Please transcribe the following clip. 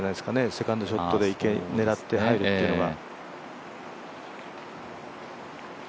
セカンドショットで池、狙って入るっていうのが。